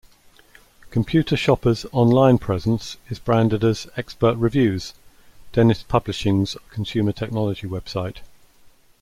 "Computer Shopper"'s online presence is branded as Expert Reviews, Dennis Publishing's consumer technology website.